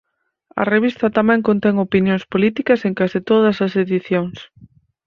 A revista tamén contén opinións políticas en case todas as edicións.